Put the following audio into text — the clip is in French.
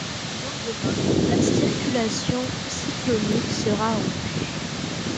Le lendemain, la circulation cyclonique sera rompue.